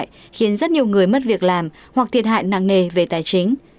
khiến rất nhiều người mất việc làm hoặc thiệt hại nặng nề về tài chính